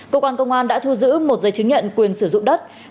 cơ quan công an đã thu giữ một giấy chứng nhận quyền sử dụng đất